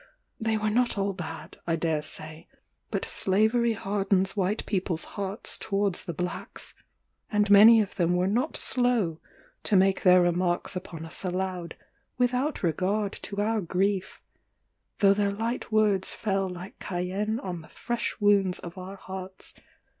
They were not all bad, I dare say; but slavery hardens white people's hearts towards the blacks; and many of them were not slow to make their remarks upon us aloud, without regard to our grief though their light words fell like cayenne on the fresh wounds of our hearts.